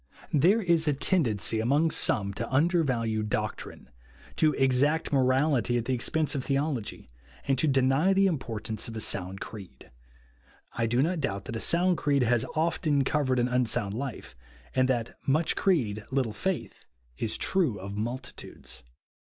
^* There is a tendency among some to undervalue doctrine, to exact morality at tlie expense of tlieology, and to deny tlie importance of a sound creed. I do not doubt that a sound creed has often covered an un sound life, and tliat " much creed, little faith," is true of multitudes.